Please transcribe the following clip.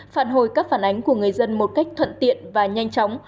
phản hồi các phản ánh của người dân một cách thuận tiện và nhanh chóng